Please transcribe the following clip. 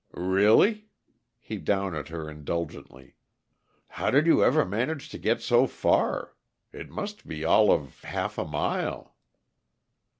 "Really?" He down at her indulgently. "How did you ever manage to get so far? It must be all of half a mile!"